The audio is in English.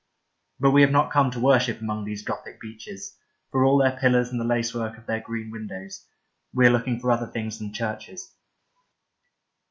But we have not come to worship among these Gothic beeches, for all their pillars and the lace work of their green windows. We are looking for other things than churches.